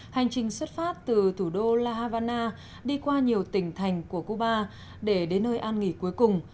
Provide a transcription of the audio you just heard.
hành trình xuất phát từ thủ đô la havana đi qua nhiều tỉnh thành của cuba để đến nơi an nghỉ cuối cùng